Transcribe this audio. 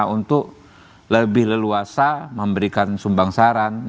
untuk lebih leluasa memberikan sumbang saran